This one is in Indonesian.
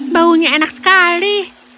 baunya enak sekali